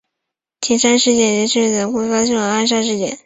山田事件其间由于宗像氏的内纷而发生的暗杀事件。